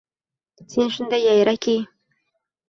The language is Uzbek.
Sen shunday yayraki